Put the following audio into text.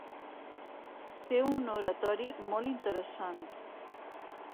Té un oratori molt interessant.